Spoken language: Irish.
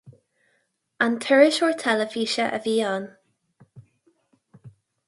An t-iriseoir teilifíse a bhí ann.